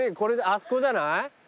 そこじゃない？